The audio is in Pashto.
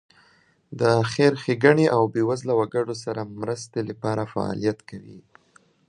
د خیر ښېګڼې او بېوزله وګړو سره مرستې لپاره فعالیت کوي.